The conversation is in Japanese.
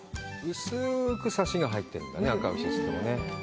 薄くサシが入ってるんだね、あか牛といっても。